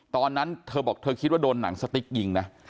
ตอนนั้นเธอบอกเธอคิดว่าโดนหนังสติ๊กยิงนะ